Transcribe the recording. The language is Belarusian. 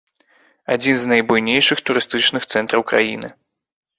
Адзін з найбуйнейшых турыстычных цэнтраў краіны.